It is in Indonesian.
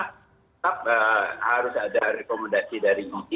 tetap harus ada rekomendasi dari ui